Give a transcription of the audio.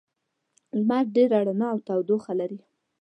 لمر ډېره رڼا او تودوخه لري.